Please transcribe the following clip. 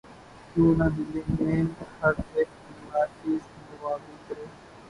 کیوں نہ دلی میں ہر اک ناچیز نوّابی کرے